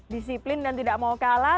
disiplin dan tidak mau kalah